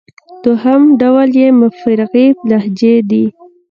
دوهم ډول ئې فرعي لهجې دئ.